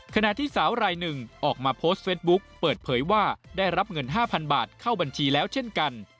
ขณะที่สาวรายหนึ่งออกมาโพสต์เฟสบุ๊คเปิดเผยว่าได้รับเงิน๕๐๐๐บาทเข้าบัญชีแล้วเช่นกัน